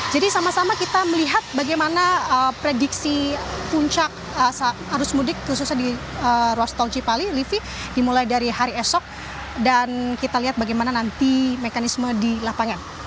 jadi sama sama kita melihat bagaimana prediksi puncak arus mudik khususnya di ruas tol cipali livi dimulai dari hari esok dan kita lihat bagaimana nanti mekanisme di lapangan